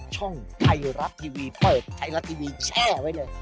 ช่องไทยรัฐทีวีเปิดไทยรัฐทีวีแช่ไว้เลย